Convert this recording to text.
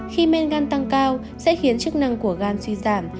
khi men gan tăng cao sẽ khiến chức năng của gan suy giảm